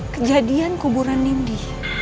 kejadian kuburan nindi